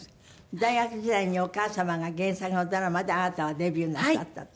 大学時代にお母様が原作のドラマであなたはデビューなさったって。